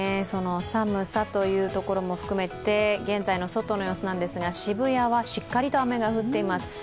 その寒さというところも含めて、現在の外の様子ですが、渋谷はしっかりと雨が降っています。